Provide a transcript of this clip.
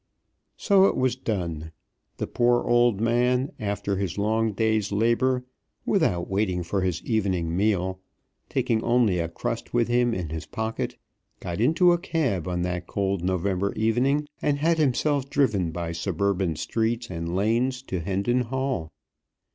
So it was done. The poor old man, after his long day's labour, without waiting for his evening meal, taking only a crust with him in his pocket, got into a cab on that cold November evening, and had himself driven by suburban streets and lanes to Hendon Hall.